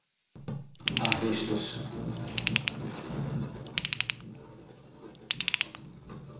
arrestos